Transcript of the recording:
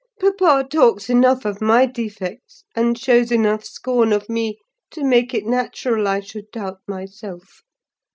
Papa talks enough of my defects, and shows enough scorn of me, to make it natural I should doubt myself.